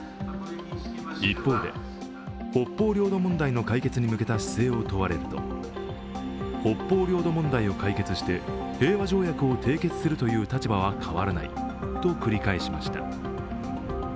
一方で、北方領土問題の解決に向けた姿勢を問われると北方領土問題を解決して平和条約を締結するという立場は変わらないと繰り返しました。